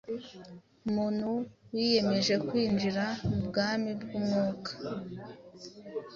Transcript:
Umuntu wiyemeje kwinjira mu bwami bw’Umwuka